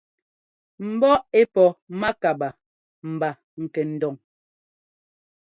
Mbɔ́ ɛ́ pɔ mákabaa mba kɛndon.